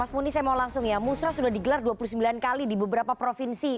mas muni saya mau langsung ya musrah sudah digelar dua puluh sembilan kali di beberapa provinsi